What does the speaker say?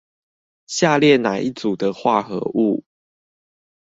下列哪一組的化合物